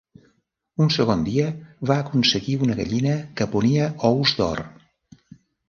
Un segon dia va aconseguir una gallina que ponia ous d'or.